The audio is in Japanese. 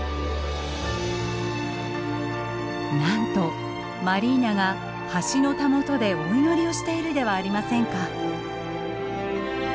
なんとマリーナが橋のたもとでお祈りをしているではありませんか。